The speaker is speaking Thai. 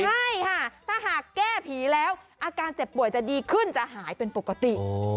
ใช่ค่ะถ้าหากแก้ผีแล้วอาการเจ็บป่วยจะดีขึ้นจะหายเป็นปกติ